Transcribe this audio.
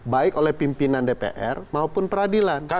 baik oleh pimpinan dpr maupun peradilan